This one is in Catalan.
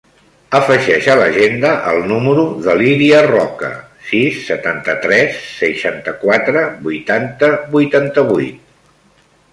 Afegeix a l'agenda el número de l'Iria Roca: sis, setanta-tres, seixanta-quatre, vuitanta, vuitanta-vuit.